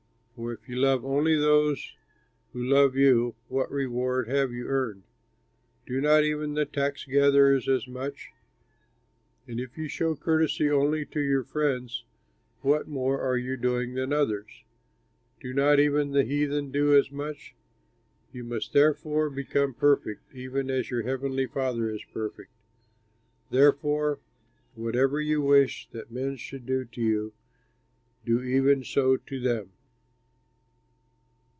For if you love only those who love you, what reward have you earned? Do not even the tax gatherers as much? And if you show courtesy only to your friends, what more are you doing than others? Do not even the heathen do as much? You must therefore become perfect, even as your heavenly Father is perfect. "Therefore, whatever you wish that men should do to you, do even so to them."